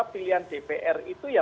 pilihan dpr itu ya